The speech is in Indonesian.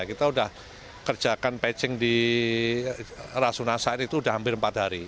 kita udah kerjakan patching di rasunasa itu udah hampir empat hari